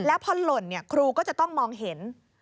แล้วพอหล่นครูก็จะต้องมองเห็น